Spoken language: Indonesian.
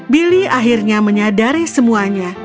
billy akhirnya menyadari semuanya